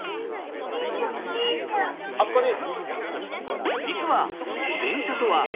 あそこに。